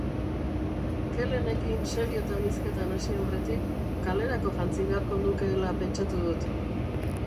Kelenekin seriotan hizketan hasi aurretik, kalerako jantzi beharko nukeela pentsatu dut.